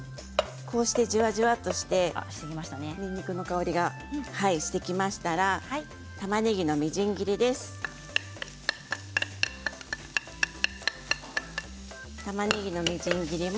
じわじわとにんにくの香りがしてきましたらたまねぎのみじん切りです。